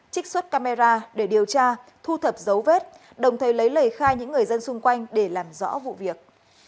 trích xuất camera để điều tra thu thập dấu vết đồng thời lấy lời khai những người dân xung quanh để làm rõ vụ việc